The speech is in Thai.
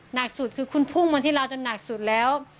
หนักสุดคือคุณพุ่งมาที่เราจนหนักสุดแล้ว